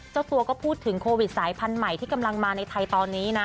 เจ้าตัวก็พูดถึงโควิดสายพันธุ์ใหม่ที่กำลังมาในไทยตอนนี้นะ